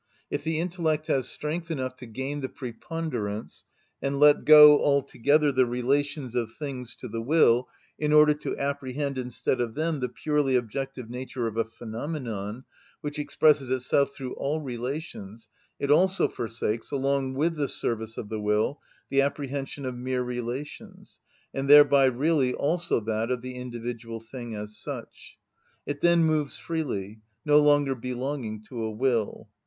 If the intellect has strength enough to gain the preponderance, and let go altogether the relations of things to the will, in order to apprehend, instead of them, the purely objective nature of a phenomenon, which expresses itself through all relations, it also forsakes, along with the service of the will, the apprehension of mere relations, and thereby really also that of the individual thing as such. It then moves freely, no longer belonging to a will.